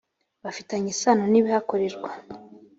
bifitanye isano n ibihakorerwa